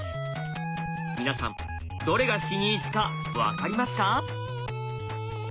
皆さんどれが死に石か分かりますか？